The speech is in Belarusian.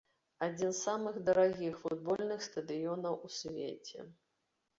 Адзін з самых дарагіх футбольных стадыёнаў у свеце.